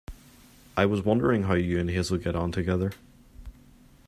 I was wondering how you and Hazel get on together.